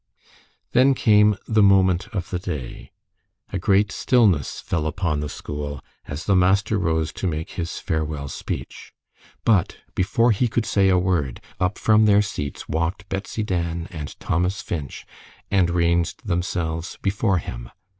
Then came the moment of the day. A great stillness fell upon the school as the master rose to make his farewell speech. But before he could say a word, up from their seats walked Betsy Dan and Thomas Finch, and ranged themselves before him.